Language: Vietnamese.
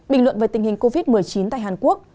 bình luận về tình hình covid một mươi chín tại hàn quốc